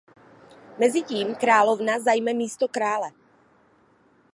Mezitím královna zajme místokrále.